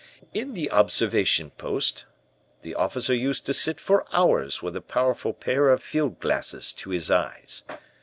"In the observation post, the officer used to sit for hours with a powerful pair of field glasses to his eyes.